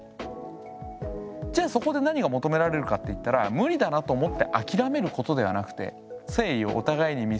じゃあそこで何が求められるかっていったら無理だなと思って諦めることではなくて誠意をお互いに見せ合う。